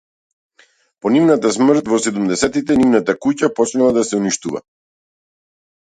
По нивната смрт во седумдесетите, нивната куќа почнала да се уништува.